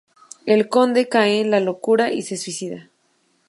El conde cae en la locura y se suicida.